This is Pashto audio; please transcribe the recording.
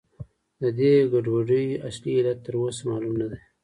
د دې ګډوډۍ اصلي علت تر اوسه معلوم نه دی.